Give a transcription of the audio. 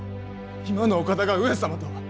今のお方が上様とは！